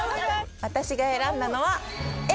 私が選んだのはＡ！